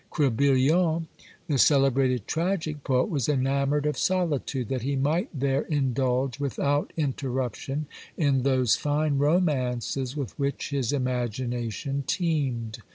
Crebillon, the celebrated tragic poet, was enamoured of solitude, that he might there indulge, without interruption, in those fine romances with which his imagination teemed.